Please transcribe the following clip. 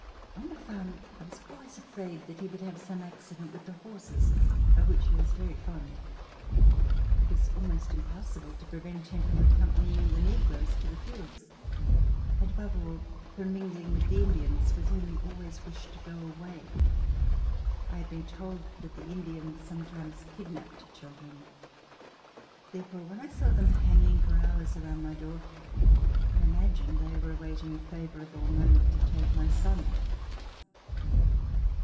On the farm I was always afraid that he would have some accident with the horses of which he was very fond. It was almost impossible to prevent him from accompanying the negroes to the fields, and above all from mingling with the Indians, with whom he always wished to go away. I had been told that the Indians sometimes kidnapped children. Therefore, when I saw them hanging for hours around my door I imagined they were awaiting a favorable moment to take my son.